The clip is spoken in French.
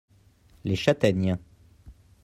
Les châtaignes.